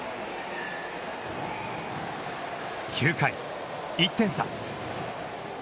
９回１点差。